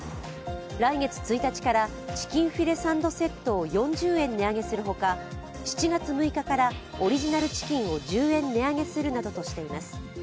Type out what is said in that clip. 来月１日からチキンフィレサンドセットを４０円値上げするほか、７月６日からオリジナルチキンを１０円値上げするなどとしています。